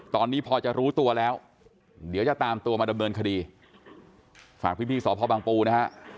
ตอนนี้พอจะรู้ตัวแล้วเดี๋ยวจะตามตัวมาดำเนินคดีฝากพี่สพบังปูนะฮะ